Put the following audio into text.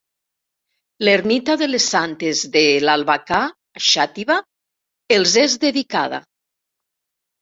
L'ermita de les Santes de l'Albacar, a Xàtiva, els és dedicada.